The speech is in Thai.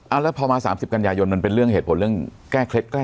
อาแล้วพอมาสามสิบกัญญาโยนมันเป็นเรื่องเหตุผลเรื่องแก้เคล็ด